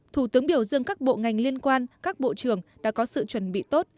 thủ tướng biểu dương các bộ ngành liên quan các bộ trưởng đã có sự chuẩn bị tốt